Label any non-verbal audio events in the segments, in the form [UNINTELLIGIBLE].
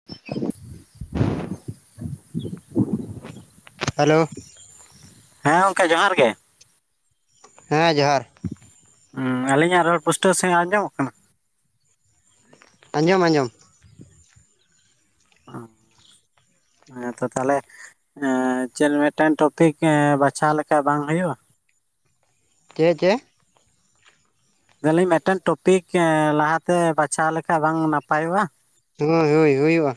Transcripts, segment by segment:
[INAUDIBLE] Hello ᱦᱮᱸ ᱜᱚᱢᱠᱮ ᱡᱚᱦᱟᱨ ᱜᱮ ᱦᱮᱸ ᱡᱚᱦᱟᱨ ᱦᱩᱸ ᱟᱞᱤᱧᱟᱜ ᱨᱚᱲ ᱯᱩᱥᱴᱟᱹᱣ ᱥᱟᱺᱦᱤᱡ ᱟᱸᱡᱚᱢᱚᱜ ᱠᱟᱱᱟ? ᱟᱸᱡᱚᱢ ᱟᱸᱡᱚᱢ ᱚ ᱦᱮᱸ ᱛᱚ ᱛᱟᱦᱚᱞᱮ ᱪᱮᱫ ᱢᱤᱫᱴᱟᱝ ᱴᱚᱯᱤᱠ ᱵᱟᱪᱷᱟᱣ ᱞᱮᱠᱷᱟᱱ ᱵᱟᱝ ᱦᱩᱭᱩᱜᱼᱟ? ᱪᱮᱫ ᱪᱮᱫ? ᱞᱟᱹᱭ ᱫᱟᱞᱤᱧ ᱢᱤᱫᱴᱮᱱ ᱴᱚᱯᱤᱠ ᱞᱟᱦᱟᱛᱮ ᱵᱟᱪᱷᱟᱣ ᱞᱮᱠᱷᱟᱡ ᱵᱟᱝ ᱱᱟᱯᱟᱭᱚᱜᱼᱟ? ᱦᱳᱭ ᱦᱳᱭ ᱦᱩᱭᱩᱜᱼᱟ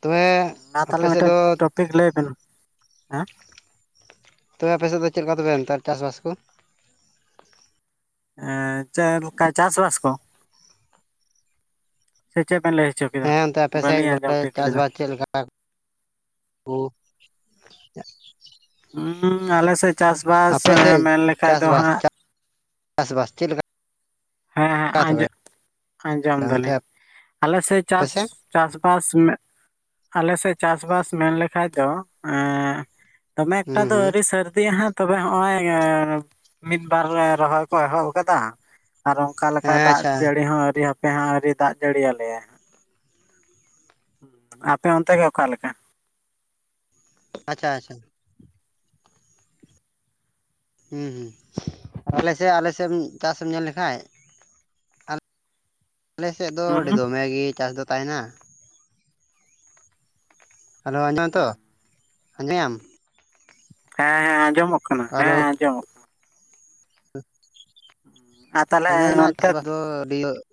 ᱛᱚᱵᱮ ᱢᱟ ᱟᱯᱮ ᱛᱟᱦᱚᱞᱮ ᱥᱮᱫ ᱢᱤᱫᱴᱮᱱ ᱫᱚ ᱴᱚᱯᱤᱠ ᱞᱟᱹᱭ ᱵᱮᱱ ᱦᱮᱸ ᱛᱚᱵᱮ ᱟᱯᱮ ᱥᱮᱫ ᱫᱚ ᱪᱮᱫ ᱞᱮᱠᱟ ᱛᱚᱵᱮ ᱱᱮᱛᱟᱨ ᱪᱟᱥᱵᱟᱥ ᱠᱚ? ᱪᱮᱫ ᱞᱮᱠᱟ ᱪᱟᱥᱵᱟᱥ ᱠᱚ ᱥᱮ ᱪᱮᱫ ᱵᱮᱱ ᱞᱟᱹᱭ ᱦᱚᱪᱚ ᱠᱮᱫᱟ? ᱦᱮᱸ ᱚᱱᱛᱮ ᱟᱯᱮ ᱥᱮᱫ ᱵᱟᱹᱞᱤᱧ ᱟᱸᱡᱚᱢ ᱵᱚᱞᱮ ᱴᱷᱤᱠ ᱪᱟᱥ ᱞᱮᱫᱟ ᱵᱟᱥ ᱪᱮᱫ ᱞᱮᱠᱟ? [UNINTELLIGIBLE] ᱩᱸᱻ ᱟᱞᱮᱥᱮᱫ ᱪᱟᱥᱵᱟᱥ ᱟᱯᱮ ᱥᱮᱫ ᱢᱮᱱ ᱞᱮᱠᱷᱟᱡ ᱫᱚ ᱪᱟᱥᱵᱟᱥ ᱦᱟᱜ ᱪᱟᱥᱵᱟᱥ ᱪᱮᱫ ᱞᱮᱠᱟ? ᱦᱮᱸ ᱦᱮᱸ ᱛᱚᱵᱮ ᱟᱸᱡᱚᱢ ᱟᱸᱡᱚᱢ ᱚᱱᱛᱮ ᱫᱟᱞᱤᱧ ᱟᱞᱮ ᱥᱮᱫ ᱪᱟᱥ ᱪᱟᱥ ᱵᱟᱥ ᱟᱞᱮ ᱥᱮᱫ ᱪᱟᱥ ᱵᱟᱥ ᱢᱮᱱ ᱞᱮᱠᱷᱟᱡ ᱫᱚ ᱫᱚᱢᱮ ᱮᱠᱴᱟ ᱦᱩᱸ ᱫᱚ ᱦᱩᱸ ᱟᱹᱣᱨᱤ ᱥᱚᱨᱫᱤ ᱟᱦᱟᱜ ᱛᱚᱵᱮ ᱦᱚᱸᱜᱼᱚᱭ ᱢᱤᱫ ᱵᱟᱨ ᱨᱚᱦᱚᱭ ᱠᱚ ᱮᱦᱚᱵ ᱟᱠᱟᱫᱟ ᱟᱨ ᱚᱱᱠᱟ ᱞᱮᱠᱟ ᱦᱮᱸ ᱫᱟᱜ ᱟᱪᱪᱷᱟ ᱡᱟᱹᱲᱤ ᱦᱚᱸ ᱟᱹᱣᱨᱤ ᱦᱟᱯᱮ ᱦᱟᱜ ᱟᱹᱣᱨᱤ ᱫᱟᱜ ᱡᱟᱹᱲᱤ ᱟᱞᱮᱭᱟᱭ ᱾ ᱟᱯᱮ ᱚᱱᱛᱮ ᱜᱮ ᱚᱠᱟ ᱞᱮᱠᱟ? ᱟᱪᱪᱷᱟ ᱟᱪᱪᱷᱟ ᱦ ᱟᱞᱮᱥᱮᱫ ᱟᱞᱮᱥᱮᱫ ᱮᱢ ᱪᱟᱥ ᱮᱢ ᱧᱮᱞ ᱞᱮᱠᱷᱟᱡ ᱟᱞᱮᱥᱮᱫ ᱫᱚ ᱟᱹᱰᱤ ᱦᱩᱸ ᱫᱚᱢᱮ ᱜᱮ ᱪᱟᱥ ᱫᱚ ᱛᱟᱦᱮᱱᱟ᱾ ᱦᱮᱞᱳ ᱟᱸᱡᱚᱢ ᱫᱟᱢ ᱛᱚ ᱟᱸᱡᱚᱢ ᱮᱫᱟᱢ? ᱦᱮᱸ ᱦᱮᱸ ᱟᱸᱡᱚᱢᱚᱜ ᱠᱟᱱᱟ ᱦᱮᱸ ᱦᱮᱞᱳ ᱟᱸᱡᱚᱢᱚᱜ ᱠᱟᱱᱟ [INAUDIBLE] ᱟᱛ [UNINTELLIGIBLE] ᱟᱞᱮᱱᱟᱜ ᱪᱟᱥᱵᱟᱥ ᱫᱚ ᱟᱹᱰᱤ [UNINTELLIGIBLE]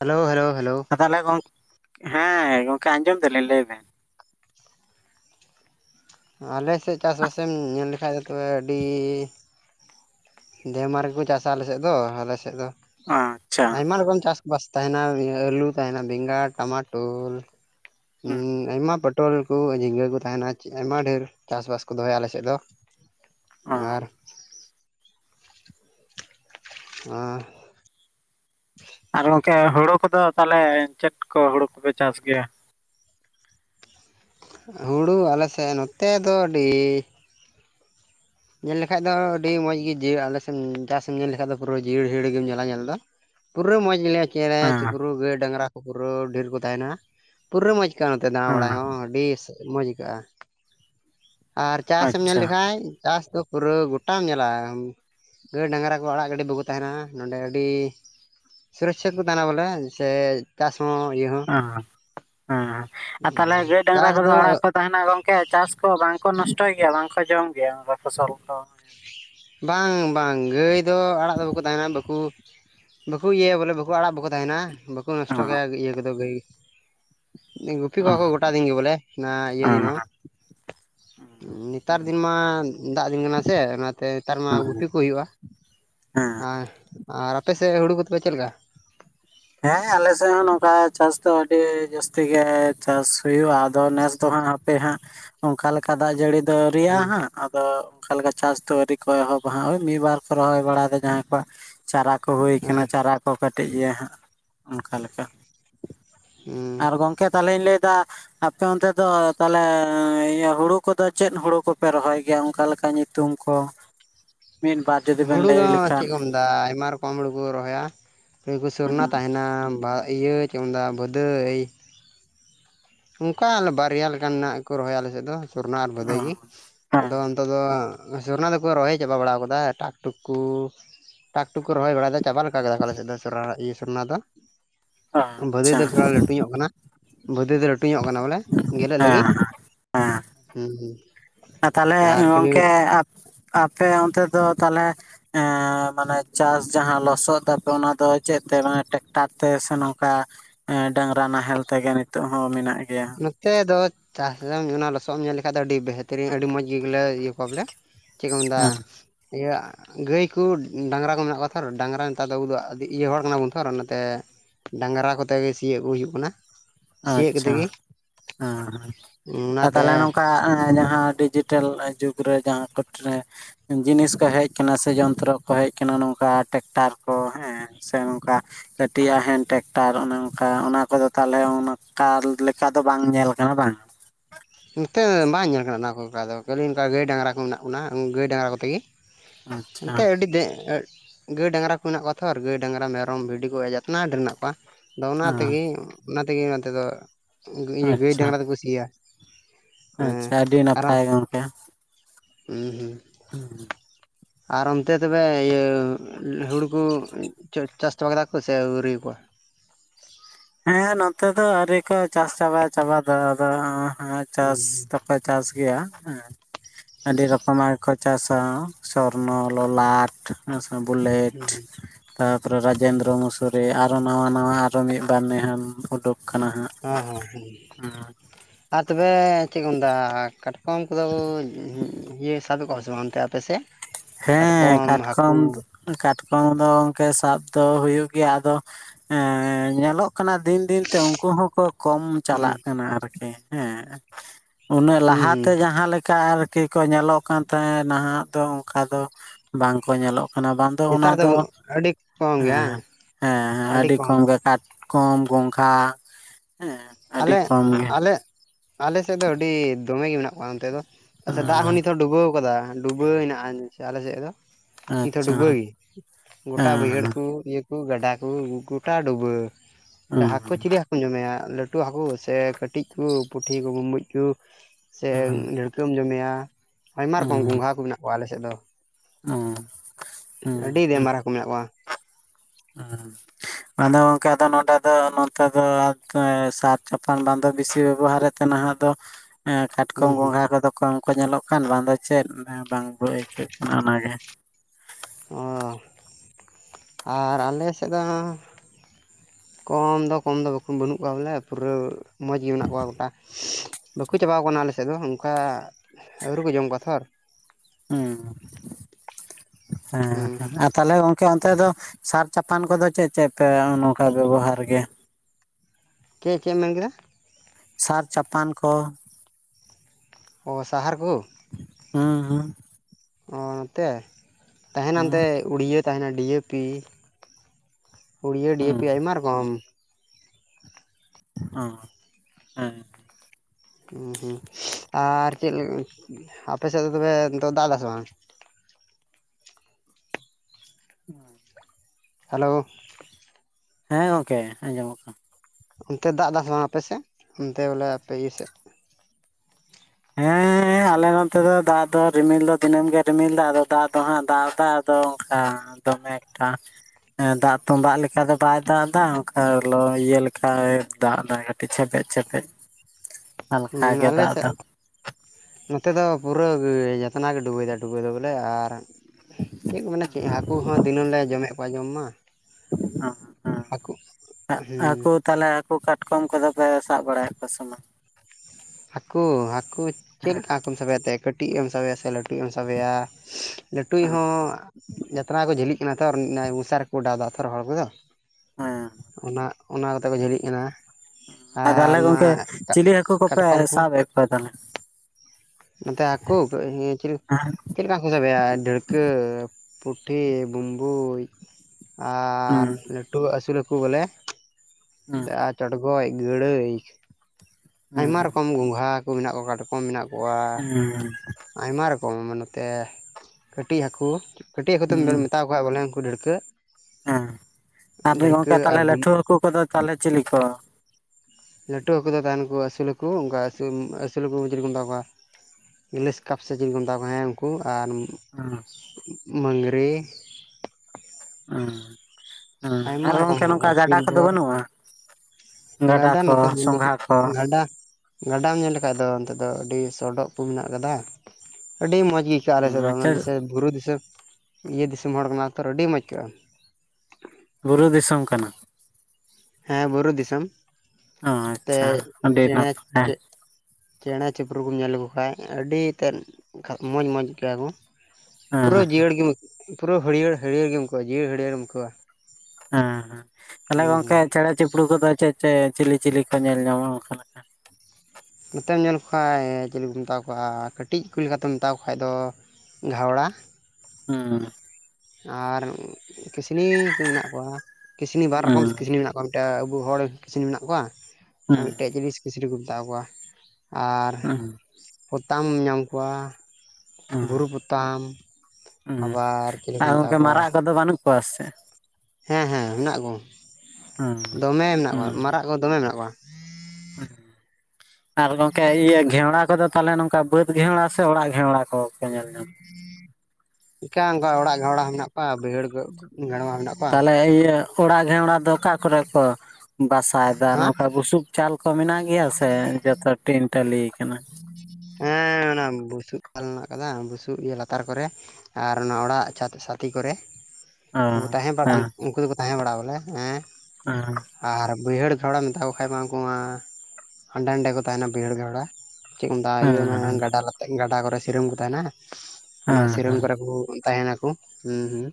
ᱦᱮᱞᱳ ᱦᱮᱞᱳ ᱦᱮᱞᱳ ᱛᱟᱦᱚᱞᱮ, [UNINTELLIGIBLE] ᱦᱮᱸ ᱜᱚᱝᱠᱮ ᱟᱸᱡᱚᱢ ᱫᱟᱞᱤᱧ ᱞᱟᱹᱭ ᱵᱮᱱ ᱟᱞᱮᱥᱮᱫ ᱪᱟᱥ ᱵᱟᱥ ᱮᱢ ᱧᱮᱞ ᱞᱮᱱᱠᱷᱟᱱ ᱫᱚ ᱛᱚᱵᱮ ᱟᱹᱰᱤᱻ ᱫᱮᱼᱢᱟᱨᱮ ᱜᱮᱠᱚ ᱪᱟᱥᱟ ᱟᱞᱮᱥᱮᱫ ᱫᱚ ᱟᱞᱮᱥᱮᱫ ᱫᱚ ᱚ ᱟᱪᱪᱷᱟ ᱟᱭᱢᱟ ᱨᱚᱠᱚᱢ ᱪᱟᱥᱵᱟᱥ ᱛᱟᱦᱮᱱᱟ ᱟᱹᱞᱩ ᱛᱟᱦᱮᱱᱟ ᱵᱮᱸᱜᱟᱲ, ᱴᱟᱢᱟᱴᱳᱞ ᱦᱮᱸ ᱦᱩᱸ ᱟᱭᱢᱟ ᱯᱚᱴᱚᱞ ᱠᱚ ᱡᱷᱤᱸᱜᱟᱹ ᱠᱚ ᱛᱟᱦᱮᱱᱟ ᱪᱮᱫ ᱟᱭᱢᱟ ᱰᱷᱮᱨ ᱪᱟᱥ ᱵᱟᱥ ᱠᱚ ᱫᱚᱦᱚᱭᱟ ᱟᱞᱮᱥᱮᱫ ᱫᱚ ᱚ ᱟᱨ ᱟᱸᱻ ᱟᱨ ᱜᱚᱝᱠᱮ ᱦᱩᱲᱩ ᱠᱚᱫᱚ ᱛᱟᱦᱚᱞᱮ ᱪᱮᱫ ᱠᱚ ᱦᱩᱲᱩ ᱠᱚᱯᱮ ᱪᱟᱥ ᱜᱮᱭᱟ? ᱦᱩᱲᱩ ᱟᱞᱮ ᱥᱮᱫ ᱱᱚᱛᱮ ᱫᱚ ᱟᱹᱰᱤ ᱧᱮᱞ ᱞᱮᱠᱷᱟᱡ ᱫᱚ ᱟᱹᱰᱤ ᱢᱚᱸᱡᱽ ᱜᱮ ᱡᱤᱭᱟᱹᱲ ᱟᱞᱮᱥᱮᱫ ᱪᱟᱥᱮᱢ ᱧᱮᱞ ᱞᱮᱠᱟᱱ ᱫᱚ ᱯᱩᱨᱟᱹ ᱡᱤᱭᱟᱹᱲ ᱦᱤᱭᱟᱹᱲ ᱜᱮᱢ ᱧᱮᱞᱟ ᱧᱮᱞ ᱫᱚ ᱯᱩᱨᱟᱹ ᱢᱚᱸᱡᱽ ᱜᱮ ᱦᱮᱸ ᱪᱮᱬᱮ-ᱪᱤᱯᱨᱩ ᱜᱟᱹᱭ-ᱰᱟᱝᱨᱟ ᱠᱚ ᱯᱩᱨᱟᱹ ᱰᱷᱮᱨ ᱠᱚ ᱛᱟᱦᱮᱱᱟ᱾ ᱯᱩᱨᱟᱹ ᱢᱚᱡᱽ ᱟᱹᱭᱠᱟᱹᱜᱼᱟ ᱱᱚᱛᱮ ᱫᱟᱬᱟ ᱵᱟᱲᱟᱭ ᱦᱮᱸ ᱦᱚᱸ ᱟᱹᱰᱤ ᱢᱚᱡᱽ ᱟᱹᱭᱠᱟᱹᱜᱼᱟ᱾ ᱟᱨ ᱪᱟᱥ ᱮᱢ ᱧᱮᱞ ᱟᱪᱪᱷᱟ ᱞᱮᱠᱷᱟᱱ ᱪᱟᱥ ᱫᱚ ᱯᱩᱨᱟᱹ ᱜᱚᱴᱟᱢ ᱧᱮᱞᱟ ᱜᱟᱹᱭ-ᱰᱟᱝᱨᱟ ᱠᱚ ᱟᱲᱟᱜ ᱜᱟᱹᱰᱤ ᱵᱟᱠᱚ ᱛᱟᱦᱮᱱᱟ ᱱᱚᱰᱮ ᱟᱹᱰᱤ ᱥᱩᱨᱟ. ᱪᱷᱟ ᱠᱚ ᱛᱟᱦᱮᱱᱟ ᱵᱚᱞᱮ ᱥᱮ ᱪᱟᱥ ᱦᱚᱸ ᱤᱭᱟᱹ ᱦᱚᱸ ᱚᱦᱚᱸ-ᱚᱦᱚᱸ ᱟᱨ ᱛᱟᱦᱚᱞᱮ ᱜᱟᱹᱭᱼ ᱰᱟᱝᱨᱟ ᱪᱟᱥ ᱠᱚᱫᱚ ᱫᱚ ᱚᱲᱟᱜ ᱠᱚ ᱛᱟᱦᱮᱱᱟ ᱜᱚᱝᱠᱮ ᱪᱟᱥ ᱠᱚ ᱵᱟᱝ ᱠᱚ ᱱᱚᱥᱴᱚᱭ ᱜᱮᱭᱟ ᱵᱟᱝᱠᱚ ᱡᱚᱢ ᱜᱮᱭᱟ ᱚᱱᱟ ᱯᱷᱚᱥᱚᱞ ᱠᱚᱫᱚ ᱵᱟᱝ-ᱵᱟᱝ ᱜᱟᱹᱭ ᱫᱚ ᱟᱲᱟᱜ ᱫᱚ ᱵᱟᱠᱚ ᱛᱟᱦᱮᱱᱟ ᱵᱟᱠᱚ ᱵᱟᱠᱚ ᱤᱭᱟᱹᱭᱟ ᱵᱚᱞᱮ ᱵᱟᱠᱚ ᱟᱲᱟᱜ ᱵᱟᱠᱚ ᱛᱟᱦᱮᱱᱟ᱾ ᱵᱟᱠᱚ ᱱᱚᱥᱴᱚ ᱦᱮᱸ ᱠᱟᱭᱟ ᱤᱭᱟᱹ ᱠᱚᱫᱚ ᱜᱟᱹᱭ ᱜᱩᱯᱤ ᱠᱚᱣᱟ ᱠᱚ ᱜᱚᱴᱟ ᱫᱤᱱ ᱜᱮ ᱵᱚᱞᱮ ᱤᱭᱟᱹ ᱫᱤᱱ ᱦᱮᱸ ᱦᱚᱸ ᱱᱮᱛᱟᱨ ᱫᱤᱱ ᱢᱟ ᱫᱟᱜ ᱫᱤᱱ ᱠᱟᱱᱟ ᱥᱮ ᱚᱱᱟ ᱛᱮ ᱛᱟᱨᱢᱟᱱᱮ ᱦᱮᱸ ᱜᱩᱯᱤ ᱠᱚ ᱦᱩᱭᱩᱜᱼᱟ, ᱦᱮᱸ ᱟᱸ ᱟᱨ ᱟᱯᱮᱥᱮᱫ ᱦᱳᱲᱳ ᱠᱚ ᱛᱟᱯᱮ ᱪᱮᱫ ᱞᱮᱠᱟ? ᱦᱮᱸ ᱟᱞᱮᱥᱮᱫ ᱦᱚᱸ ᱱᱚᱝᱠᱟ ᱪᱟᱥ ᱫᱚ ᱟᱹᱰᱤ ᱡᱟᱹᱥᱛᱤ ᱜᱮ ᱪᱟᱥ ᱦᱩᱭᱩᱜᱼᱟ, ᱟᱫᱚ ᱱᱮᱥ ᱫᱚ ᱦᱟᱸᱜ ᱯᱮ ᱦᱟᱸᱜ ᱚᱱᱠᱟ ᱞᱮᱠᱟ ᱫᱟᱜ ᱡᱟᱹᱲᱤ ᱫᱚ ᱟᱹᱣᱨᱤᱭᱟᱜ-ᱟ ᱦᱟᱸᱜ ᱟᱫᱚ ᱚᱱᱠᱟ ᱞᱮᱠᱟ ᱪᱟᱥ ᱫᱚ ᱟᱹᱣᱨᱤ ᱠᱚ ᱮᱦᱚᱵᱟ ᱦᱚᱭ ᱢᱤᱫᱵᱟᱨ ᱠᱚ ᱨᱚᱦᱚᱭ ᱵᱟᱲᱟᱭᱫᱟ ᱡᱟᱦᱟᱸᱭ ᱠᱚᱣᱟᱜ ᱪᱟᱨᱟ ᱠᱚ ᱦᱩᱭ ᱠᱟᱱᱟ ᱦᱮᱸ ᱪᱟᱨᱟ ᱠᱚ ᱠᱟᱹᱴᱤᱡ ᱜᱮᱭᱟ ᱦᱟᱸᱜ ᱚᱱᱠᱟ ᱞᱮᱠᱟ ᱦᱮᱸ ᱟᱨ ᱜᱚᱝᱠᱮ ᱛᱟᱦᱚᱞᱮᱧ ᱞᱟᱹᱭᱫᱟ ᱟᱯᱮ ᱚᱱᱛᱮ ᱫᱚ ᱛᱟᱦᱚᱞᱮ ᱤᱭᱟᱹ ᱦᱳᱲᱳ ᱠᱚᱫᱚ ᱪᱮᱫ ᱦᱳᱲᱳ ᱠᱚᱯᱮ ᱨᱚᱦᱚᱭ ᱜᱮᱭᱟ ᱚᱱᱠᱟᱞᱮᱠᱟ ᱧᱩᱛᱩᱢ ᱠᱚ ᱢᱤᱫ ᱵᱟᱨ ᱡᱩᱫᱤ ᱵᱮᱱ ᱦᱳᱲᱳ ᱫᱚ ᱞᱟᱹᱭ ᱞᱮᱠᱷᱟᱱ ᱪᱮᱫ ᱠᱚ ᱢᱮᱱ ᱟᱭᱢᱟ ᱨᱮᱠᱚᱢ ᱦᱳᱲᱳ ᱠᱚ ᱨᱚᱦᱚᱭᱟ ᱦᱩᱸ ᱥᱚᱨᱱᱟ ᱛᱟᱦᱮᱱᱟ ᱤᱭᱟᱹ ᱪᱮᱫ ᱢᱮᱱᱫᱟ ᱵᱟᱹᱫᱟᱹᱭ ᱚᱱᱠᱟ ᱟᱞᱮ ᱵᱟᱨᱭᱟ ᱞᱮᱠᱟᱱᱟᱜ ᱠᱚ ᱨᱚᱦᱚᱭᱟ ᱟᱞᱮ ᱥᱮᱫ ᱫᱚ ᱥᱚᱨᱱᱚ ᱟᱨ ᱚ ᱵᱷᱟᱹᱫᱟᱹᱭ ᱜᱮ ᱦᱮᱸ ᱟᱫᱚ ᱱᱮᱛᱚᱜ ᱫᱚ ᱥᱚᱨᱱᱚ ᱫᱚᱠᱚ ᱨᱚᱦᱚᱭ ᱪᱟᱵᱟ ᱵᱟᱲᱟ ᱠᱟᱫᱟ ᱮᱴᱟᱠ ᱴᱩᱠ ᱠᱚ ᱴᱟᱠ ᱴᱩᱠ ᱠᱚ ᱨᱚᱦᱚᱭ ᱵᱟᱲᱟᱭᱮᱫᱟ ᱪᱟᱵᱟ ᱞᱮᱠᱟ ᱠᱮᱫᱟ ᱠᱚ ᱟᱞᱮ ᱥᱮᱫ ᱫᱚ ᱥᱚᱨ, ᱤᱭᱟᱹ ᱥᱚᱨᱱᱚ ᱫᱚ ᱵᱷᱟ. ᱫᱟᱹᱭ ᱟᱪᱪᱷᱟ ᱫᱚ ᱫᱟᱠᱟ ᱞᱟᱹᱴᱩ ᱧᱚᱜ ᱠᱟᱱᱟ ᱵᱷᱟᱹᱫᱟᱹᱭ ᱫᱚ ᱞᱟᱹᱴᱩ ᱧᱚᱜ ᱠᱟᱱᱟ ᱵᱚᱞᱮ ᱜᱮᱞᱮᱜ ᱦᱮᱸ ᱞᱟᱹᱜᱤᱜ ᱦᱮᱸ ᱦᱩᱸ ᱛᱟᱦᱚᱞᱮ ᱟᱨ ᱠᱷᱟᱹᱞᱤ ᱜᱚᱝᱠᱮ ᱟᱜ ᱟᱯᱮ ᱚᱱᱛᱮ ᱫᱚ ᱛᱟᱦᱚᱞᱮ ᱮᱸ ᱢᱟᱱᱮ ᱪᱟᱥ ᱡᱟᱦᱟᱸ ᱞᱚᱥᱚᱫ ᱫᱟᱯᱮ ᱚᱱᱟ ᱫᱚ ᱪᱮᱫ ᱛᱮ ᱢᱟᱱᱮ ᱴᱨᱟᱠᱴᱟᱨ ᱛᱮ ᱥᱮ ᱱᱚᱝᱠᱟ ᱮᱸ ᱰᱟᱝᱨᱟ ᱱᱟᱦᱮᱞ ᱛᱮᱜᱮ ᱱᱤᱛᱚᱜ ᱦᱚᱸ ᱢᱮᱱᱟᱜ ᱜᱮᱭᱟ᱾ ᱱᱚᱛᱮ ᱫᱚ ᱪᱟᱥ ᱫᱚᱢ ᱱᱚᱭᱟ ᱞᱚᱥᱚᱫ ᱮᱢ ᱧᱮᱞ ᱞᱮᱠᱷᱟᱱ ᱫᱚ ᱟᱹᱰᱤ ᱵᱮᱦᱛᱟᱹᱨᱤᱱ ᱟᱹᱰᱤ ᱢᱚᱸᱡᱽ ᱜᱮ ᱡᱮᱜᱩᱞᱟ. ᱤᱭᱟᱹ ᱠᱚᱣᱟ ᱵᱚᱞᱮ ᱪᱮᱜ ᱠᱚ ᱢᱮᱱᱫᱟ ᱦᱮᱸ ᱤᱭᱟᱹ ᱜᱟᱹᱭ ᱠᱚ ᱰᱟᱝᱨᱟ ᱠᱚ ᱢᱮᱱᱟᱜ ᱠᱚᱣᱟ ᱛᱟᱨ ᱰᱟᱝᱨᱟ ᱱᱮᱛᱟᱨ ᱫᱚ ᱟᱵᱚ ᱫᱚ ᱟᱨᱠᱤ ᱤᱭᱟᱹ ᱦᱚᱲ ᱠᱟᱱᱟᱵᱚᱱ ᱛᱚ ᱚᱱᱟᱛᱮ ᱰᱟᱝᱨᱟ ᱠᱚᱛᱮ ᱜᱮ ᱥᱤᱭᱩᱜ ᱦᱩᱭᱩᱜ ᱠᱟᱱᱟ᱾ ᱥᱤᱭᱳᱜ ᱠᱟᱛᱮ ᱟᱪᱷᱟ ᱜᱮ ᱚᱱᱟᱛᱮ ᱦᱮᱸᱛᱟᱦᱚᱞᱮ ᱱᱚᱝᱠᱟ ᱟᱸ ᱡᱟᱦᱟᱸ ᱰᱤᱡᱤᱴᱮᱞ ᱡᱩᱜᱽ ᱨᱮ ᱡᱟᱦᱟᱸ ᱠᱚᱴᱨᱮ ᱡᱤᱱᱤᱥ ᱠᱚ ᱦᱮᱡ ᱟᱠᱟᱱᱟ ᱥᱮ ᱡᱚᱱᱛᱨᱚ ᱠᱚ ᱦᱮᱡ ᱟᱠᱟᱱᱟ ᱱᱚᱝᱠᱟ ᱴᱮᱠᱴᱟᱨ ᱠᱚ ᱦᱮᱸ ᱥᱮ ᱱᱚᱝᱠᱟ ᱠᱟᱹᱴᱤᱡᱟᱜ ᱦᱮᱱ ᱴᱮᱠᱴᱟᱨ ᱚᱱᱮ ᱚᱱᱠᱟ ᱚᱱᱟ ᱠᱚᱫᱚ ᱛᱟᱞᱚᱞᱮ ᱟᱠᱟᱞ ᱞᱮᱠᱟ ᱫᱚ ᱵᱟᱝ ᱧᱮᱞ ᱠᱟᱱᱟ ᱵᱟᱝ ᱚᱱᱛᱮ ᱫᱚ ᱵᱟᱝ ᱧᱮᱞ ᱠᱟᱱᱟ ᱚᱱᱟ ᱠᱚ ᱚᱱᱠᱟ ᱫᱚ ᱠᱷᱟᱹᱞᱤ ᱚᱱᱠᱟ ᱜᱟᱹᱭ- ᱰᱟᱝᱨᱟ ᱠᱚ ᱢᱮᱱᱟᱜ ᱠᱚᱱᱟ ᱜᱟᱹᱭ- ᱰᱟᱝᱨᱟ ᱠᱚᱛᱮᱜᱮ ᱟᱪᱪᱷᱟ ᱮᱱᱛᱮᱫ ᱟᱹᱰᱤ ᱫᱮᱜ ᱟᱹᱜ ᱜᱟᱹᱭᱼᱰᱟᱝᱜᱨᱟ ᱠᱚ ᱢᱮᱱᱟᱜ ᱠᱚᱣᱟ ᱛᱷᱚᱨ ᱜᱟᱹᱭ-ᱰᱟᱝᱨᱟ, ᱢᱮᱨᱚᱢ, ᱵᱷᱤᱰᱤ ᱠᱚ ᱡᱮᱛᱱᱟ ᱰᱷᱮᱨ ᱢᱮᱱᱟᱜ ᱠᱚᱣᱟ ᱟᱫᱚ ᱚᱱᱟ ᱦᱮᱸ ᱛᱮᱜᱮ ᱚᱱᱟ ᱛᱮᱜᱮ ᱱᱚᱛᱮ ᱫᱚ ᱤᱭᱟᱹ ᱜᱟᱹᱭ- ᱟᱪᱪᱷᱟ ᱰᱟᱝᱨᱟ ᱛᱮᱠᱚ ᱥᱤᱭᱟ ᱦᱩᱸ ᱟᱪᱪᱷᱟ ᱟᱹᱰᱤ ᱟᱨᱦᱚᱸ ᱱᱟᱯᱟᱭ ᱦᱩᱸ-ᱦᱩᱸ ᱪᱮᱫ ᱦᱚᱸ ᱵᱟᱝ ᱟᱸᱡᱚᱢᱚᱜ ᱠᱟᱱᱟ ᱟᱨ ᱚᱱᱛᱮ ᱛᱚᱵᱮ ᱤᱭᱟᱹ ᱦᱳᱲᱳ ᱠᱚ ᱪᱟᱥ ᱪᱟᱵᱟ ᱠᱮᱫᱟ ᱠᱚ ᱥᱮ ᱟᱹᱣᱨᱤᱣᱟ ᱦᱮᱸ ᱱᱚᱛᱮ ᱫᱚ ᱟᱹᱨᱤ ᱠᱚ ᱪᱟᱥ ᱪᱟᱵᱟ, ᱪᱟᱵᱟ ᱫᱚ ᱟᱫᱚ ᱦᱩᱸ ᱪᱟᱥ.. ᱦᱩᱸ ᱯ ᱪᱟᱥ ᱜᱮᱭᱟ ᱦᱮᱸ ᱟᱹᱰᱤ ᱨᱚᱠᱚᱢᱟᱜ ᱜᱮ ᱠᱚ ᱪᱟᱥᱟ ᱥᱚᱨᱱᱚ ᱞᱚᱞᱟᱴ ᱦᱮᱸᱥᱮᱸ ᱵᱩᱞᱮᱴ ᱦᱮᱸ ᱛᱟᱯᱚᱨᱮ ᱨᱟᱡᱮᱱᱫᱨᱚ ᱢᱚᱥᱩᱨᱤ ᱟᱨᱦᱚ ᱱᱟᱣᱟ ᱱᱟᱣᱟ ᱟᱨ ᱦᱚᱸ ᱦᱩᱜ-ᱟ ᱛᱟᱨ ᱱᱮᱦᱟᱱ ᱩᱰᱩᱠ ᱠᱟᱱᱟ ᱦᱟᱸᱜ ᱦᱮᱸ ᱦᱮᱸ ᱦᱩᱸ ᱟᱨ ᱛᱚᱵᱮ ᱪᱮᱫ ᱠᱚ ᱢᱮᱱᱫᱟ ᱠᱟᱴᱠᱚᱢ ᱫᱚ ᱠᱚ ᱤᱭᱟᱹ ᱥᱟᱵᱮᱫ ᱠᱚᱭᱟ ᱥᱮ ᱵᱟᱝ ᱚᱱᱛᱮ ᱟᱯᱮᱥᱮᱫ ᱦᱮᱸ ᱠᱟᱴᱠᱚᱢ ᱠᱟᱴᱠᱚᱢ ᱫᱚ ᱜᱚᱝᱠᱮ ᱥᱟᱵ ᱫᱚ ᱦᱩᱭᱩᱜ ᱜᱮᱭᱟ ᱟᱫᱚ ᱮᱸ ᱧᱮᱞᱚᱜ ᱠᱟᱱᱟ ᱫᱤᱱ ᱫᱤᱱ ᱛᱮ ᱩᱱᱠᱩ ᱦᱚᱸᱠᱚ ᱠᱚᱢ ᱦᱩᱸ ᱪᱟᱞᱟᱜ ᱠᱟᱱᱟ ᱟᱨᱠᱤ ᱦᱮᱸ ᱩᱱᱟᱹᱜ ᱦᱩᱸ ᱦᱩᱸ ᱞᱟᱦᱟᱛᱮ ᱡᱟᱦᱟᱸ ᱞᱮᱠᱟ ᱟᱨᱠᱤ ᱠᱚ ᱧᱮᱞᱚᱜ ᱠᱟᱱ ᱛᱟᱦᱮᱸᱫ ᱱᱟᱦᱟᱜ ᱫᱚ ᱚᱱᱠᱟ ᱫᱚ ᱵᱟᱝ ᱠᱚ ᱧᱮᱞᱚᱜ ᱵᱟᱝ ᱫᱚ ᱚᱱᱟ ᱱᱮᱛᱟᱨ ᱫᱚ ᱟᱹᱰᱤ ᱠᱚᱢ ᱜᱮ ᱵᱟᱝ ᱦᱮᱸ ᱦᱮᱸ ᱟᱹᱰᱤ ᱠᱚᱢ ᱜᱮ ᱠᱟᱴ ᱠᱚᱢ ᱜᱚᱸᱠᱷᱟ ᱟᱞᱮ ᱟᱞᱮ ᱟᱞᱮᱥᱮᱫ ᱫᱚ ᱟᱹᱰᱤ ᱫᱚᱢᱮ ᱜᱮ ᱢᱮᱱᱟᱜ ᱠᱚᱣᱟ ᱚᱱᱛᱮ ᱫᱚ ᱟᱪᱪᱷᱟ ᱫᱟᱜ ᱦᱚᱸ ᱦᱮᱸ ᱱᱤᱛ ᱦᱚᱸ ᱰᱩᱵᱟᱹᱣ ᱠᱟᱫᱟ ᱰᱩᱵᱟᱹᱣ ᱦᱮᱱᱟᱜᱼᱟᱧ ᱟᱞᱮ ᱥᱮᱫ ᱫᱚ ᱱᱤᱛᱚᱜ ᱟᱪᱪᱷᱟ ᱰᱩᱵᱟᱹᱭ ᱜᱚᱴᱟ ᱦᱮᱸ ᱵᱟᱹᱭᱦᱟᱹᱲ ᱠᱚ ᱤᱭᱟᱹ ᱦᱟᱠᱩ ᱜᱟᱰᱟ ᱠᱚ ᱜᱚᱴᱟ ᱰᱩᱵᱟᱹ ᱦᱮᱸ ᱦᱟᱹᱠᱩ ᱦᱩᱸ ᱪᱤᱞᱤ ᱦᱟᱹᱠᱩᱢ ᱡᱚᱢᱮᱭᱟ ᱞᱟᱹᱴᱩ ᱞᱟᱹᱴᱩ ᱦᱟᱹᱠᱩ ᱥᱮ ᱠᱟᱴᱤᱡ ᱠᱚ ᱯᱩᱴᱷᱤ ᱠᱚ ᱵᱩᱢᱵᱩᱡ ᱠᱚ ᱥᱮ ᱦᱩᱸ ᱰᱷᱟᱺᱲᱠᱟᱹᱢ ᱡᱚᱢᱮᱭᱟ ᱟᱭᱢᱟ ᱨᱚᱠᱚᱢ ᱦᱩᱸ ᱜᱚᱝᱜᱷᱟ ᱠᱚ ᱢᱮᱱᱟᱜ ᱠᱚᱣᱟ ᱟᱞᱮᱥᱮᱫ ᱫᱚ ᱦᱩᱸ ᱦᱩᱸ ᱟᱹᱰᱤ ᱫᱮᱢ ᱦᱩᱸ ᱢᱟᱨᱟ ᱠᱚ ᱢᱮᱱᱟᱜ ᱠᱚᱣᱟ ᱦᱩᱸ ᱟᱫᱚ ᱜᱚᱝᱠᱟ ᱱᱚᱰᱮ ᱫᱚ ᱱᱚᱛᱮ ᱫᱚ ᱥᱟᱨ ᱪᱟᱯᱟᱱ ᱵᱟᱝᱫᱚ ᱵᱤᱥᱤ ᱵᱮᱵᱚᱦᱟᱨ ᱠᱟᱱᱟ ᱦᱟᱜ ᱫᱚ ᱦᱮᱸ ᱦᱩᱸ ᱠᱟᱴᱠᱚᱢ ᱦᱩᱸ ᱜᱚᱸᱜᱷᱟ ᱠᱚᱫᱚ ᱠᱚᱢ ᱠᱚ ᱧᱮᱞᱚᱜ ᱠᱟᱱ ᱵᱟᱝ ᱫᱚ ᱪᱮᱫ ᱵᱟᱝ ᱵᱟᱹᱭ ᱟᱹᱭᱠᱟᱹᱜ ᱠᱟᱱᱟ ᱚᱱᱟᱜᱮ ᱚ ᱟᱨ ᱟᱞᱮ ᱥᱮᱫ ᱫᱚ ᱠᱚᱢ ᱫᱚ ᱠᱚᱢ ᱫᱚ ᱵᱟ ᱵᱟᱹᱱᱩᱜ ᱠᱚᱣᱟ ᱵᱚᱞᱮ ᱯᱩᱨᱟᱹ ᱢᱚᱡᱽ ᱜᱮ ᱢᱮᱱᱟᱜ ᱠᱚᱣᱟ ᱜᱚᱴᱟ ᱵᱟᱠᱩ ᱪᱟᱵᱟᱣ ᱠᱟᱱᱟ ᱟᱞᱮ ᱥᱮᱫ ᱫᱚ ᱚᱱᱠᱟ ᱟᱹᱨᱩ ᱠᱚ ᱡᱚᱢ ᱠᱚᱣᱟ ᱛᱷᱚᱨ ᱦᱩᱸ ᱦᱩᱸ ᱦᱮᱸ ᱦᱮᱸ ᱛᱟᱦᱚᱞᱮ ᱜᱚᱝᱠᱮ ᱚᱱᱛᱮ ᱫᱚ ᱥᱟᱨ ᱪᱟᱯᱟᱱ ᱠᱚᱫᱚ ᱪᱮᱫ ᱪᱮᱫ ᱯᱮ ᱱᱚᱝᱠᱟ ᱵᱮᱵᱚᱦᱟᱨ ᱜᱮᱭᱟ ᱪᱮᱫ ᱪᱮᱫ ᱮᱢ ᱢᱮᱱ ᱠᱮᱫᱟ ᱥᱟᱨ ᱪᱟᱯᱟᱱ ᱠᱚ ᱚᱻ ᱥᱟᱦᱟᱨ ᱠᱚ ᱦᱩᱸ ᱦᱩᱸ ᱚ ᱱᱚᱛᱮ ᱛᱟᱦᱮᱸᱱᱟ ᱱᱚᱛᱮ ᱦᱩᱸ ᱩᱲᱭᱟᱹ ᱛᱟᱦᱮᱸᱱᱟ ᱰᱤᱼᱮ-ᱯᱤ ᱩᱲᱤᱭᱟᱹ ᱰᱤ-ᱮ-ᱯᱤ ᱦᱩᱸ ᱟᱭᱢᱟ ᱨᱚᱠᱚᱢ ᱚ ᱦᱮᱸ ᱦᱮᱸ ᱦᱩᱸ ᱟᱨ ᱪᱮᱫ ᱟᱯᱮᱥᱮᱫ ᱫᱚ ᱛᱚᱵᱮ ᱫᱟᱜ ᱮᱫᱟ ᱥᱮ ᱵᱟᱝ ᱦᱮᱸ ᱦᱮᱞᱳ ᱦᱮᱸ ᱜᱚᱝᱠᱮ ᱟᱸᱡᱚᱢᱚᱜ ᱠᱟᱱᱟ ᱚᱱᱛᱮ ᱫᱟᱜ ᱫᱟᱥ ᱵᱟᱝ ᱟᱯᱮᱥᱮᱫ ᱚᱱᱛᱮ ᱵᱚᱞᱮ ᱟᱯᱮ ᱤᱭᱟᱹ ᱥᱮᱫ ᱦᱮᱸ ᱦᱮᱸ ᱟᱞᱮ ᱱᱚᱛᱮ ᱫᱚ ᱫᱟᱜ ᱫᱚ ᱨᱤᱢᱤᱞ ᱫᱚ ᱫᱤᱱᱟᱹᱢ ᱜᱮ ᱨᱤᱢᱤᱞᱫᱟ ᱟᱫᱚ ᱫᱟᱜ ᱫᱚ ᱦᱟᱸᱜ ᱫᱟᱜ ᱮᱫᱟ ᱟᱫᱚ ᱚᱱᱠᱟ ᱫᱚᱢᱮ ᱮᱠᱴᱟ ᱮᱸ ᱫᱟᱜ ᱛᱚᱵᱟᱸᱜ ᱞᱮᱠᱟ ᱫᱚ ᱵᱟᱭ ᱫᱟᱜ ᱮᱫᱟ ᱚᱱᱠᱟ ᱤᱭᱟᱹ ᱞᱮᱠᱟᱭ ᱫᱟᱜ ᱮᱫᱟ ᱟᱪᱪᱷᱟ ᱟᱪᱪᱷᱟ [UNINTELLIGIBLE] ᱦᱩᱸ ᱦᱟᱞᱠᱟᱜᱮ ᱟᱞᱮ ᱫᱟᱜ ᱥᱮᱫ ᱫᱚ ᱱᱚᱛᱮ ᱫᱚ ᱯᱩᱨᱟᱹ ᱡᱚᱛᱚᱱᱟᱜ ᱜᱮ ᱰᱩᱵᱟᱹᱭᱮᱫᱟ ᱰᱩᱵᱟᱹᱭ ᱫᱚ ᱵᱚᱞᱮ ᱟᱨ ᱪᱮᱫ ᱠᱚ ᱢᱮᱱᱟ ᱪᱮᱫ ᱦᱟᱹᱠᱩ ᱦᱚᱸ ᱫᱤᱱᱟᱹᱢ ᱞᱮ ᱡᱚᱢᱮᱫ ᱠᱚᱣᱟ ᱡᱚᱢ ᱢᱟ ᱚ ᱦᱟᱹᱠᱩ ᱚ ᱦᱩᱸ ᱦᱟᱹᱠᱩ ᱛᱟᱦᱚᱞᱮ ᱦᱟᱹᱠᱩ ᱠᱟᱴᱠᱚᱢ ᱠᱚᱫᱚ ᱯᱮ ᱥᱟᱵ ᱵᱟᱲᱟᱭᱮᱫ ᱠᱚ ᱥᱮ ᱵᱟᱝ ᱦᱟᱹᱠᱩ ᱦᱟᱹᱠᱩ ᱪᱮᱫ ᱞᱮᱠᱟ ᱦᱟᱹᱠᱩᱢ ᱥᱟᱵᱮᱭᱟ ᱛᱮ ᱠᱟᱹᱴᱤᱡ ᱮᱢ ᱥᱟᱵᱮᱭᱟ ᱥᱮ ᱞᱟᱹᱴᱩ ᱞᱟᱹᱴᱩ ᱭᱤᱡ ᱮᱢ ᱥᱟᱵᱮᱭᱟ ᱞᱟᱹᱴᱩᱭ ᱦᱚᱸ ᱡᱟᱛᱨᱟ ᱠᱚ ᱡᱷᱟᱹᱞᱤᱜ ᱚᱱᱟ ᱛᱚ [UNINTELLIGIBLE] ᱨᱮᱠᱚ ᱚᱰᱟᱣ ᱮᱫᱟ ᱦᱮᱸ [UNINTELLIGIBLE] ᱚᱱᱟ ᱚᱱᱟ ᱠᱟᱛᱮ ᱠᱚ ᱡᱷᱟᱹᱞᱤᱜ ᱠᱟᱱᱟ ᱟᱨ ᱛᱟᱦᱞᱮ ᱚᱱᱟ ᱜᱚᱢᱠᱮ ᱪᱤᱞᱤ ᱦᱟᱹᱠᱩ ᱠᱚᱯᱮ ᱠᱟᱴᱠᱚᱢ ᱠᱚ ᱥᱟᱵᱮᱫ ᱠᱚᱣᱟ ᱛᱟᱦᱚᱞᱮ ᱱᱚᱛᱮ ᱦᱟᱹᱠᱩ ᱪᱮᱫ ᱞᱮᱠᱟ ᱪᱤᱞᱤᱢ ᱥᱟᱵᱮᱭᱟ ᱰᱟᱹᱲᱠᱟᱹ ᱯᱩᱴᱷᱤ ᱵᱩᱢᱵᱩᱡ ᱟᱨ ᱦᱮᱸ ᱞᱟᱹᱴᱩ ᱟᱹᱥᱩᱞ ᱦᱟᱹᱠᱩ ᱵᱚᱞᱮ ᱦᱩᱸ ᱪᱚᱰᱜᱚᱡ ᱜᱟᱹᱲᱟᱹᱭ ᱟᱭᱢᱟ ᱦᱩᱸ ᱨᱚᱠᱚᱢ ᱜᱚᱸᱜᱷᱟ ᱠᱚ ᱢᱮᱱᱟᱜ ᱠᱚᱣᱟ ᱠᱟᱴᱠᱚᱢ ᱢᱮᱱᱟᱜ ᱠᱚᱼᱼ ᱠᱚᱣᱟ ᱦᱩᱸ ᱟᱭᱢᱟ ᱨᱚᱠᱚᱢ ᱱᱚᱛᱮ ᱠᱟᱹᱴᱤᱡ ᱦᱟᱹᱠᱩ ᱠᱟᱹᱴᱤᱡ ᱦᱟᱹᱠᱩ ᱫᱚᱢ ᱢᱮᱛᱟ ᱠᱚ [UNINTELLIGIBLE] ᱵᱚᱞᱮ ᱩᱱᱠᱩ ᱰᱟᱹᱲᱠᱟᱹ ᱦᱩᱸ ᱟᱨ ᱱᱩᱭ ᱜᱚᱝᱠᱮ ᱰᱟᱹᱲᱠᱟᱹ ᱟᱨ ᱛᱟᱦᱚᱞᱮ ᱵᱩᱢ ᱞᱟᱹᱴᱷᱩ ᱦᱟᱹᱠᱩ ᱠᱚᱫᱚ ᱛᱟᱦᱞᱚᱞᱮ ᱪᱤᱞᱤ ᱠᱚ ᱞᱟᱹᱴᱩ ᱦᱟᱹᱠᱩ ᱫᱚ ᱛᱟᱦᱮᱱ ᱱᱟᱠᱩ ᱟᱹᱥᱩᱞ ᱦᱟᱹᱠᱩ ᱚᱱᱠᱟ ᱟᱹᱥᱩᱞ ᱟᱹᱥᱩᱞ ᱠᱩ ᱪᱤᱞᱤ ᱠᱚ ᱢᱮᱛᱟ ᱠᱚᱣᱟ ᱤᱞᱤᱥ ᱠᱟᱯ ᱥᱮ ᱪᱤᱞ ᱠᱚ ᱢᱮᱛᱟ ᱠᱚᱣᱟ ᱦᱮᱸ ᱩᱱᱠᱩ ᱟᱨ [UNINTELLIGIBLE] ᱢᱟᱹᱝᱨᱤ ᱟᱪᱪᱷᱟ ᱟᱸᱻ ᱟᱨ ᱟᱭᱢᱟ ᱨᱚᱠᱚᱢ ᱜᱚᱝᱠᱮ ᱢᱮᱱᱟᱜ ᱱᱚᱝᱠᱟ ᱠᱚᱣᱟ ᱜᱟᱰᱟ ᱠᱚᱫᱚ ᱥᱤᱞᱵᱷᱟᱨ ᱵᱟᱹᱱᱩᱜᱼᱟ ᱜᱟᱰᱟ ᱠᱚ ᱱᱚᱛᱮᱢ ᱧᱮᱞ ᱥᱚᱸᱜᱷᱟ ᱞᱮᱠᱷᱟᱡ ᱠᱚ ᱜᱟᱰᱟ ᱜᱟᱰᱟᱢ ᱧᱮᱞ ᱞᱮᱠᱷᱟᱡ ᱫᱚ ᱚᱱᱛᱮ ᱫᱚ ᱟᱹᱰᱤ ᱥᱚᱰᱚᱜ ᱠᱚ ᱢᱮᱱᱟᱜ ᱟᱠᱟᱫᱟ ᱟᱹᱰᱤ ᱢᱚᱸᱡᱽ ᱜᱤ [UNINTELLIGIBLE] ᱟᱞᱮ ᱦᱩᱸ ᱥᱮᱫ ᱟᱪᱪᱷᱟ ᱫᱚ ᱵᱩᱨᱩ ᱫᱤᱥᱚᱢ ᱤᱭᱟᱹ ᱫᱤᱥᱚᱢ ᱦᱚᱲ [UNINTELLIGIBLE] ᱛᱚ ᱟᱹᱰᱤ ᱢᱚᱡᱽ ᱜᱮ ᱟᱹᱭᱠᱟᱹᱜᱼᱟ ᱵᱩᱨᱩ ᱫᱤᱥᱚᱢ ᱠᱟᱱᱟ ᱦᱮᱸ ᱵᱩᱨᱩ ᱫᱤᱥᱚᱢ ᱚ ᱛᱮ ᱟᱪᱪᱷᱟ ᱟᱹᱰᱤ ᱪᱮᱬᱮ ᱱᱟᱯᱟᱭ ᱦᱮᱸ ᱪᱮᱬᱮ ᱪᱤᱯᱨᱩ ᱠᱚᱢ ᱧᱮᱞ ᱞᱮᱠᱚ ᱠᱷᱟᱡ ᱟᱹᱰᱤ [UNINTELLIGIBLE] ᱛᱮᱫ ᱢᱚᱡᱽ ᱢᱚᱡᱽ ᱜᱮᱭᱟ ᱠᱚ ᱦᱮᱸ ᱯᱩᱨᱟᱹ ᱦᱮᱸ ᱡᱤᱭᱟᱹᱲ ᱜᱮ ᱯᱩᱨᱟᱹ ᱦᱟᱹᱨᱤᱭᱟᱹᱲ ᱦᱟᱹᱨᱭᱟᱹᱨ ᱜᱮᱢ ᱟᱹᱭᱠᱩᱟᱹᱣᱟ ᱡᱤᱭᱟᱹᱲ ᱦᱟᱹᱨᱤᱭᱟᱹᱲᱮᱢ ᱟᱹᱭᱠᱟᱹᱣᱟ ᱦᱮᱸ ᱦᱮᱸ ᱛᱟᱦᱞᱮ ᱦᱩᱸ ᱜᱚᱝᱠᱮ ᱦᱩᱸ ᱪᱮᱬᱮ ᱪᱤᱯᱲᱩ ᱠᱚᱫᱚ ᱪᱮᱫ ᱪᱮᱫ ᱪᱤᱞᱤ ᱪᱤᱞᱤ ᱠᱚ ᱧᱮᱞ ᱧᱟᱢᱚᱜ ᱚᱱᱠᱟ ᱞᱮᱠᱟ? ᱱᱚᱛᱮᱢ ᱧᱮᱞ ᱠᱚ ᱠᱷᱟᱡ ᱪᱮᱞᱮ ᱵᱚᱱ ᱢᱮᱛᱟᱣ ᱠᱚᱣᱟ ᱠᱟᱹᱴᱤᱡ ᱠᱩ ᱞᱮᱠᱟ ᱛᱮᱢ ᱢᱮᱛᱟᱣ ᱠᱚ ᱠᱷᱟᱡ ᱫᱚ ᱫᱷᱟᱣᱲᱟ ᱦᱩᱸ ᱟᱨ ᱠᱤᱥᱱᱤ ᱠᱩ ᱢᱮᱱᱟᱜ ᱠᱚᱣᱟ ᱠᱤᱥᱱᱤ ᱵᱟᱨ ᱦᱩᱸ ᱨᱚᱠᱚᱢ ᱠᱤᱥᱱᱤ ᱢᱮᱱᱟᱜ ᱠᱚᱣᱟ ᱢᱤᱫᱴᱟᱹ ᱟᱵᱚ ᱦᱚᱲ ᱠᱤᱥᱱᱤ ᱢᱮᱱᱟᱜ ᱠᱚᱣᱟ ᱟᱨ ᱦᱩᱸ ᱢᱤᱫᱴᱮᱱ ᱡᱤᱱᱤᱥ ᱠᱤᱥᱱᱤ ᱠᱚ ᱢᱮᱛᱟ ᱠᱚᱣᱟ ᱟᱨ ᱦᱩᱸ ᱯᱚᱛᱟᱢᱮᱢ ᱧᱟᱢ ᱠᱚᱣᱟ ᱦᱩᱸ ᱵᱩᱨᱩ ᱯᱚᱛᱟᱢ ᱦᱩᱸ ᱟᱵᱟᱨᱻ ᱟᱨ ᱜᱚᱝᱠᱮ ᱢᱟᱨᱟᱜ ᱠᱚᱫᱚ ᱵᱟᱹᱱᱩᱜ ᱠᱚᱣᱟ ᱥᱮ ᱪᱮᱫ ᱦᱮᱸ ᱦᱮᱸ ᱢᱮᱱᱟᱜ ᱠᱚᱣᱟ ᱦᱩᱸ ᱫᱚᱢᱮ ᱢᱮᱱᱟᱜ ᱠᱚᱣᱟ ᱦᱩᱸ ᱢᱟᱨᱟᱜ ᱠᱚ ᱫᱚᱢᱮ ᱢᱮᱱᱟᱜ ᱠᱚᱣᱟ [UNINTELLIGIBLE] ᱟᱨ ᱜᱚᱝᱠᱮ ᱤᱭᱟᱹ ᱜᱷᱮᱣᱲᱟ ᱠᱚᱫᱚ ᱛᱟᱦᱚᱞᱮ ᱱᱚᱝᱠᱟ ᱵᱟᱹᱫᱽ ᱜᱷᱮᱣᱲᱟ ᱥᱮ ᱚᱲᱟᱜ ᱜᱷᱮᱣᱲᱟ ᱠᱚ ᱯᱮ ᱧᱮᱞ ᱧᱟᱢ ᱤᱠᱟ ᱚᱱᱠᱟ ᱚᱲᱟᱜ ᱜᱷᱮᱣᱲᱟ ᱦᱚᱸ ᱢᱮᱱᱟᱜ ᱠᱚᱣᱟ ᱵᱟᱹᱭᱦᱟᱹᱲ ᱜᱷᱮᱲᱣᱟ ᱦᱚᱸ ᱢᱮᱱᱟᱜ ᱠᱚᱣᱟ ᱛᱟᱦᱚᱞᱮ ᱤᱭᱟᱹ ᱚᱲᱟᱜ ᱜᱷᱮᱣᱲᱟ ᱫᱚ ᱚᱠᱟ ᱠᱚᱨᱮ ᱠᱚ ᱵᱟᱥᱟᱭᱮᱫᱟ ᱦᱟᱸ ᱱᱚᱝᱠᱟ ᱵᱩᱥᱩᱵ ᱪᱟᱞ ᱠᱚ ᱢᱮᱱᱟᱜ ᱜᱮ ᱜᱮᱭᱟ ᱥᱮ [UNINTELLIGIBLE] ᱴᱤᱱ ᱴᱟᱹᱞᱤ ᱟᱠᱟᱱᱟ ᱦᱮᱸ ᱚᱱᱟ ᱵᱩᱥᱩᱯ [UNINTELLIGIBLE] ᱢᱮᱱᱟᱜ ᱟᱠᱟᱫᱟ ᱵᱩᱥᱩᱯ ᱤᱭᱟᱹ ᱞᱟᱛᱟᱨ ᱠᱚᱨᱮ ᱟᱨ ᱱᱚᱣᱟ ᱚᱲᱟᱜ [UNINTELLIGIBLE] ᱥᱟᱛᱷᱤ ᱠᱚᱨᱮ ᱚ ᱛᱟᱦᱮᱸ ᱵᱟᱲᱟᱜᱼᱟ ᱦᱮᱸ ᱩᱱᱠᱩ ᱫᱚ ᱛᱟᱦᱮᱸ ᱵᱟᱲᱟ ᱵᱚᱞᱮ ᱮᱸ ᱦᱟᱸ ᱟᱨ ᱵᱟᱹᱭᱦᱟᱹᱲ ᱫᱷᱣᱲᱟ ᱢᱮᱛᱟᱠᱚ ᱠᱷᱟᱡ ᱢᱟ ᱩᱱᱠᱩ ᱢᱟ ᱦᱟᱸᱰᱮ ᱱᱟᱰᱮ ᱠᱚ ᱛᱟᱦᱮᱱᱟ ᱵᱟᱹᱭᱦᱟᱹᱲ ᱜᱷᱮᱣᱲᱟ ᱪᱮᱫ ᱠᱚ ᱦᱮᱸ ᱢᱮᱛᱟᱜ ᱦᱮᱸ ᱜᱟᱰᱟ [UNINTELLIGIBLE] ᱜᱟᱰᱟ ᱠᱚᱨᱮ ᱥᱤᱨᱟᱹᱢ ᱠᱚ ᱛᱟᱦᱮᱱᱟ ᱚᱱᱟ ᱥᱤᱨᱟᱹᱢ ᱦᱮᱸ ᱠᱚᱨᱮ ᱠᱩ ᱛᱟᱦᱮᱱᱟ ᱠᱚ ᱦᱩᱸ ᱦᱩᱸ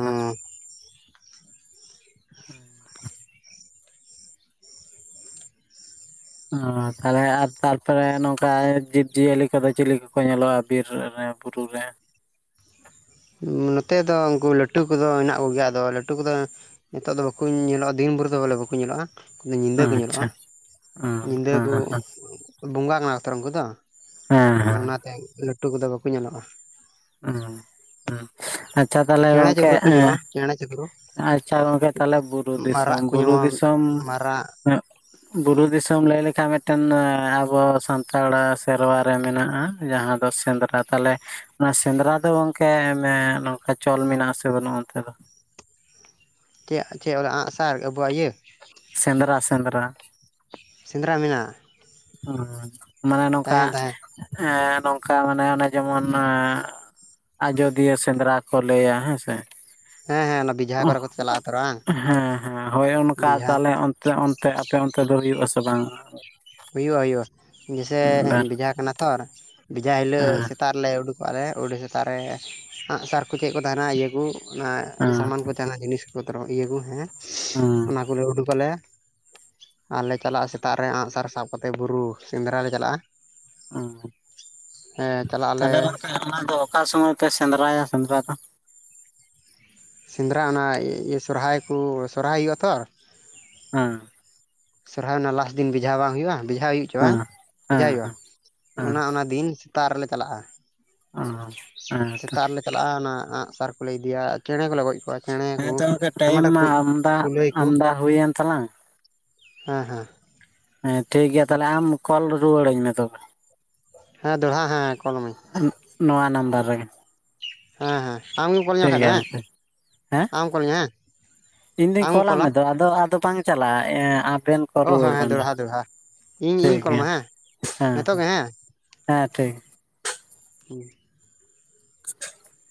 ᱚ [UNINTELLIGIBLE] ᱚ ᱛᱟᱦᱚᱞᱮ ᱟᱨ ᱛᱟᱨᱯᱚᱨᱮ ᱱᱚᱝᱠᱟ ᱡᱤᱵᱽ ᱡᱤᱭᱟᱹᱞᱤ ᱠᱚᱫᱚ ᱪᱤᱞᱤ ᱠᱚᱠᱚ ᱧᱮᱞᱚᱜᱼᱟ ᱵᱤᱨ ᱨᱮ ᱵᱩᱨᱩ ᱨᱮ ᱱᱚᱛᱮ ᱫᱚ ᱩᱱᱠᱩ ᱞᱟᱹᱴᱩ ᱠᱚᱫᱚ ᱦᱮᱱᱟᱜ ᱠᱚᱜᱮᱭᱟ ᱟᱫᱚ ᱞᱟᱹᱴᱩ ᱠᱚᱫᱚ ᱱᱤᱛᱚᱜ ᱫᱚ ᱵᱟᱠᱩ ᱧᱮᱞᱚᱜᱼᱟ ᱫᱤᱱ ᱵᱷᱳᱨ ᱫᱚ ᱵᱚᱞᱮ ᱵᱟᱠᱩ ᱧᱮᱞᱚᱜᱼᱟ ᱩᱱᱠᱩᱫᱚ ᱧᱤᱫᱟᱹ ᱠᱚ ᱧᱮᱞᱚᱜᱼᱟ ᱟᱪᱪᱷᱟ ᱚ ᱦᱮᱸ ᱧᱤᱫᱟᱹ ᱦᱮᱸ ᱠᱚ ᱵᱚᱸᱜᱟ ᱠᱟᱱᱟ ᱠᱚ ᱛᱚ ᱩᱱᱠᱩ ᱫᱚ ᱦᱮᱸ ᱚᱱᱟᱛᱮ ᱞᱟᱹᱴᱩ ᱠᱚᱫᱚ ᱵᱟᱠᱚ ᱧᱮᱞᱚᱜᱼᱟ ᱦᱩ ᱦᱩᱸ ᱟᱪᱪᱷᱟ ᱛᱟᱦᱚᱞᱮ ᱪᱮᱬᱮ ᱜᱚᱝᱠᱮ ᱪᱤᱯᱨᱩ ᱠᱚ ᱮ ᱧᱮᱞᱚᱜᱼᱟ ᱪᱮᱬᱮ ᱪᱩᱯᱨᱩ ᱟᱪᱪᱷᱟ ᱜᱚᱝᱠᱮ ᱛᱟᱦᱞᱮ ᱵᱩᱨᱩ ᱫᱤᱥᱚᱢ ᱠᱚ ᱵᱩᱨᱩ ᱧᱟᱢᱚᱜᱼᱟ ᱫᱤᱥᱚᱢ ᱢᱟᱨᱟᱜ ᱵᱩᱨᱩ ᱫᱤᱥᱚᱢ ᱞᱟᱹᱭ ᱞᱮᱠᱷᱟᱱ ᱢᱤᱫᱴᱮᱱ ᱟᱵᱚ ᱥᱟᱱᱛᱟᱲ ᱥᱮᱨᱣᱟ ᱨᱮ ᱢᱮᱱᱟᱜᱼᱟ ᱡᱟᱦᱟᱸ ᱫᱚ ᱥᱮᱸᱫᱽᱨᱟ ᱛᱟᱦᱞᱮ ᱱᱚᱣᱟ ᱥᱮᱸᱫᱽᱨᱟ ᱫᱚ ᱜᱚᱝᱠᱮ ᱱᱚᱝᱠᱟ ᱪᱚᱞ ᱢᱮᱱᱟᱜ ᱟᱥᱮ ᱵᱟᱹᱱᱩᱜᱼᱟ ᱚᱱᱛᱮ ᱫᱚ ᱪᱮᱫ ᱪᱮᱫ ᱚᱱᱟ ᱟᱜᱼᱥᱟᱨ ᱟᱵᱚᱣᱟᱜ ᱤᱭᱟᱹ ᱥᱮᱸᱫᱽᱨᱟᱼ ᱥᱮᱸᱫᱽᱨᱟ ᱥᱮᱸᱫᱽᱨᱟ ᱢᱮᱱᱟᱜ-ᱟ ᱦᱮ ᱢᱟᱱᱮ ᱱᱚᱝᱠᱟ ᱛᱟᱦᱮᱸ ᱮ ᱱᱚᱝᱠᱟ ᱢᱟᱱᱮ ᱚᱱᱮ ᱡᱮᱢᱚᱱ ᱟᱡᱚᱫᱤᱭᱟᱹ ᱥᱮᱸᱫᱽᱨᱟ ᱠᱚ ᱞᱟᱹᱭᱟ ᱦᱮ ᱥᱮ ᱦᱮᱸ ᱦᱮᱸ ᱚᱱᱟ ᱵᱮᱡᱷᱟ ᱚᱦ ᱠᱚᱨᱮ ᱠᱚ ᱪᱟᱞᱟᱜᱼᱟ ᱛᱚ ᱵᱟᱝ ᱦᱮ ᱦᱮ ᱦᱳᱭ ᱚᱱᱠᱟ ᱵᱮᱡᱷᱟ ᱛᱟᱦᱚᱞᱮ ᱚᱱ ᱟᱯᱮᱭᱟᱜ ᱚᱱᱛᱮ ᱟᱯᱮ ᱚᱱᱛᱮ ᱫᱚ ᱦᱩᱭᱩᱜ-ᱟᱥᱮ ᱵᱟᱝ ᱟ ᱦᱩᱭᱩᱜ-ᱟ ᱦᱩᱭᱩᱜ-ᱟ ᱡᱮᱥᱮ ᱵᱟᱨ ᱵᱮᱡᱟ ᱠᱟᱱᱟ ᱛᱚ ᱵᱮᱡᱟ ᱦᱤᱞᱟᱹᱜ ᱦᱮᱸ ᱥᱮᱛᱟᱜ ᱞᱮ ᱩᱰᱩᱠᱚᱜ-ᱟ ᱞᱮ ᱩᱰᱤ ᱥᱮᱛᱟᱜ ᱨᱮ ᱟᱜᱥᱟᱨ ᱠᱚ ᱪᱮᱫ ᱠᱚ ᱛᱟᱦᱮᱱᱟ ᱤᱭᱟᱹ ᱠᱚ ᱚᱱᱟ ᱦᱮᱸ ᱥᱟᱢᱟᱱ ᱠᱚ ᱡᱟᱦᱟᱱᱟᱜ ᱡᱤᱱᱤᱥ [UNINTELLIGIBLE] ᱤᱭᱟᱹ ᱠᱚ ᱦᱮ ᱦᱮᱸ ᱚᱱᱟ ᱠᱚᱞᱮ ᱩᱰᱩᱠ ᱟᱞᱮ ᱟᱨ ᱞᱮ ᱪᱟᱞᱟᱜ-ᱟ ᱥᱮᱛᱟᱜ ᱨᱮ ᱟᱸᱜ ᱥᱟᱨ ᱥᱟᱵ ᱠᱟᱛᱮᱫ ᱵᱩᱨᱩ ᱥᱮᱸᱫᱽᱨᱟ ᱞᱮ ᱪᱟᱞᱟᱜ-ᱟ ᱦᱮᱸ ᱦᱮ ᱪᱟᱞᱟᱜ ᱟᱞᱮ ᱛᱟᱦᱚᱞᱮ ᱜᱚᱝᱠᱮ ᱚᱱᱟ ᱫᱚ ᱚᱠᱟ ᱥᱚᱢᱚᱭ ᱯᱮ ᱥᱮᱸᱫᱽᱨᱟᱭᱟ ᱥᱮᱸᱫᱽᱨᱟ ᱫᱚ ᱥᱮᱸᱫᱽᱨᱟ ᱚᱱᱟ ᱤᱭᱟᱹ ᱥᱚᱨᱦᱟᱭ ᱠᱚ ᱥᱚᱨᱦᱟᱭ ᱦᱩᱭᱩᱜᱼᱟ ᱛᱚ ᱚ ᱥᱚᱨᱦᱟᱭ ᱨᱮᱱᱟᱜ ᱞᱟᱥᱴ ᱫᱤᱱ ᱵᱮᱡᱷᱟ ᱵᱟᱝ ᱦᱩᱭᱩᱜ-ᱟ ᱵᱮᱡᱷᱟ ᱦᱩᱭᱩᱜ ᱪᱚ ᱦᱮᱸ ᱵᱟᱝ ᱵᱷᱮᱡᱟ ᱦᱩᱭᱩᱜ-ᱟ ᱦᱮᱸ ᱦᱮᱸ ᱚᱱᱟ ᱚᱱᱟ ᱫᱤᱱ ᱥᱮᱛᱟᱜ ᱨᱮᱞᱮ ᱪᱟᱞᱟᱜ-ᱟ ᱚ ᱦᱮ ᱛᱚ ᱪᱟᱞᱟᱜ-ᱟ ᱚᱱᱟ ᱟᱸᱜ ᱥᱟᱨ ᱠᱚᱞᱮ ᱤᱫᱤᱭᱟ ᱪᱮᱬᱮ ᱠᱚ ᱞᱮ ᱜᱚᱡ ᱠᱚᱣᱟ ᱠᱮᱬᱮ ᱦᱮᱸ ᱠᱚ ᱛᱚ ᱜᱚᱝᱠᱮ ᱴᱟᱭᱤᱢ ᱟᱭᱢᱟᱴᱟᱜ ᱢᱟ ᱟᱢᱫᱟ ᱠᱩᱞᱟᱹᱭ ᱠᱚ ᱟᱢᱫᱟ ᱦᱩᱭᱮᱱ ᱛᱟᱞᱟᱝ ᱦᱮ ᱦᱮ ᱦᱮ ᱴᱷᱤᱠ ᱜᱮᱭᱟ ᱛᱟᱦᱚᱞᱮ ᱟᱢ ᱠᱚᱞ ᱨᱩᱣᱟᱹᱲᱟᱹᱧ ᱢᱮ ᱛᱚᱵᱮ ᱦᱮ ᱫᱚᱲᱦᱟ ᱦᱮ ᱠᱚᱞ‌ ᱟᱢᱟᱧ ᱱᱚᱣᱟ ᱱᱟᱢᱵᱟᱨ ᱨᱮᱜᱮ ᱦᱮ ᱦᱮ ᱟᱢᱜᱮᱢ ᱠᱚᱞᱤᱧᱟ ᱴᱷᱤᱠ ᱵᱟᱠᱟᱱ ᱫᱚ ᱜᱮᱭᱟ ᱦᱮ ᱜᱚᱝᱠᱮ ᱦᱮᱸ ᱟᱢ ᱠᱚᱞᱤᱧᱟ ᱦᱮ ᱟᱢᱮᱢ ᱠᱚᱞᱟ ᱚ ᱟᱫᱚ ᱵᱟᱝ ᱪᱟᱞᱟᱜ-ᱟ ᱟᱵᱮᱱ ᱚ ᱦᱮᱸ ᱨᱩᱣᱟᱹᱲ ᱦᱮᱸ ᱵᱮᱱ ᱫᱚᱦᱲᱟ ᱞᱟᱦᱟ ᱫᱚᱦᱲᱟ ᱤᱧ ᱴᱷᱤᱠ ᱤᱧ ᱠᱚᱞ ᱜᱮᱭᱟ ᱟᱢᱟ ᱦᱮᱸ ᱦᱮ ᱦᱮ ᱦᱮ ᱴᱷᱤᱠ ᱦᱩ [INAUDIBLE]